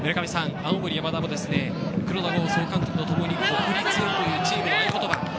青森山田も、黒田剛総監督とともに国立というチームの合言葉。